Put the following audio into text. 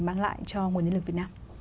mang lại cho nguồn nhân lực việt nam